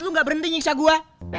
lu gak berhenti nyiksa gue